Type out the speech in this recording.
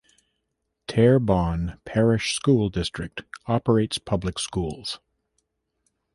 Terrebonne Parish School District operates public schools.